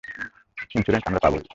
Insurance আমরা পাবোই।